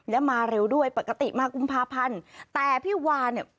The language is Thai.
และมาเร็วด้วยปกติมากุมภาพันธุ์แต่พี่วาเนี่ย